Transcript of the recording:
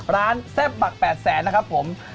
ร้านแซ่บบักแปดแสนนะครับผม